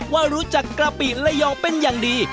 ว่ารู้จักกะปิระยองเป็นอย่างดี